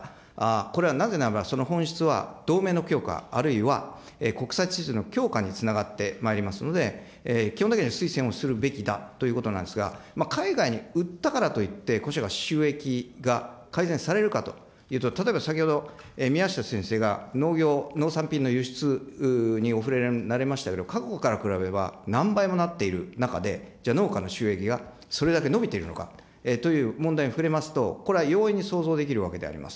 これはなぜならば、その本質は同盟の強化、あるいは国際秩序の強化につながってまいりますので、基本的には推進をするべきだということなんですが、海外に売ったからといって、こちらが収益が改善されるかというと、例えば先ほど宮下先生が農業、農産品の輸出にお触れになりましたけれども、各国から比べれば何倍もなっている中で、じゃあ、農家の収益がそれだけ伸びているのかという問題に触れますと、これは容易に想像できるわけであります。